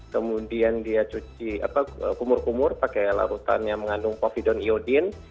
kemudian dia cuci apa kumur kumur pakai larutan yang mengandung covidon iodine